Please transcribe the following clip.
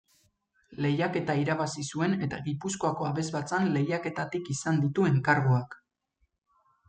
Lehiaketa irabazi zuen eta Gipuzkoako Abesbatzen Lehiaketatik izan ditu enkarguak.